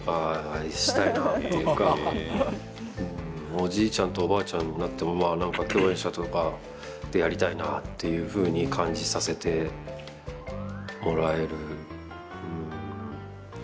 おじいちゃんとおばあちゃんになっても共演者とかでやりたいなっていうふうに感じさせてもらえる。